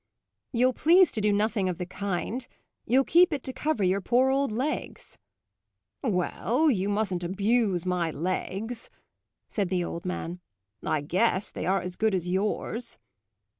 "You'll please to do nothing of the kind. You'll keep it to cover your poor old legs." "Well, you mustn't abuse my legs," said the old man. "I guess they are as good as yours."